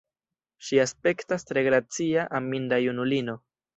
Ŝi aspektas tre gracia, aminda junulino.